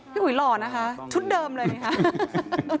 อุ๋ยหล่อนะคะชุดเดิมเลยนะคะ